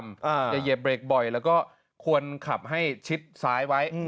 อย่าเหยียบเบรกบ่อยแล้วก็ควรขับให้ชิดซ้ายไว้